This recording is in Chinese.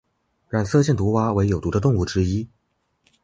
染色箭毒蛙为有毒的动物之一。